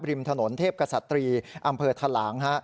ริมถนนเทพกษัตรีอำเภอทะหลาง